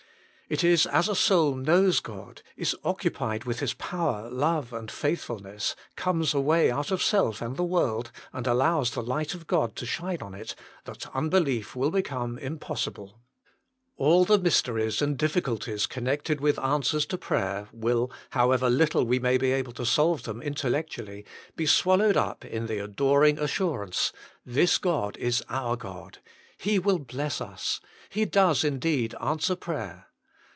It is as a soul knows God, is occupied with His power, love, and faithfulness, comes away out of self and the world, and allows the light of God to shine on it, that unbelief will become impossible. All the mysteries and difficulties connected with answers to prayer will, however little we may be able to solve them intellectually, be swallowed up in the adoring assurance :" This God is our THE SECRET OF EFFECTUAL PRAYER 111 God. He will bless us. He does indeed answer prayer.